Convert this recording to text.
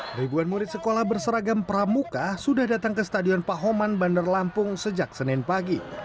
ribuan murid sekolah berseragam pramuka sudah datang ke stadion pak homan bandar lampung sejak senin pagi